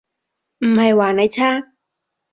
唔係話你差